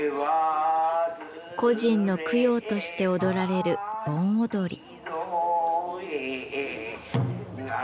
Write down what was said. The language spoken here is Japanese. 故人の供養として踊られる盆踊り。